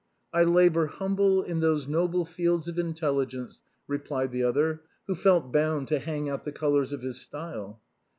" "I labor humbly in those noble fields of intelligence," replied the other, who felt bound to hang out the colors of his style.